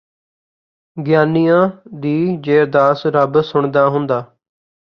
ਗਿਆਨੀਆਂ ਦੀ ਜੇ ਅਰਦਾਸ ਰੱਬ ਸੁੱਣਦਾ ਹੁੰਦਾ